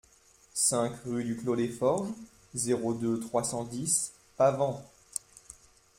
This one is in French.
cinq rue du Clos des Forges, zéro deux, trois cent dix, Pavant